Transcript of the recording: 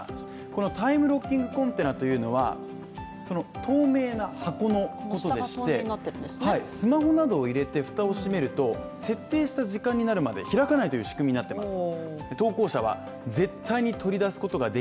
このタイムロッキングコンテナというのは、その透明な箱のことで、透明になってるんですけど、スマホなどを入れて蓋を閉めると、設定した時間になるまで開かないという仕組みになってます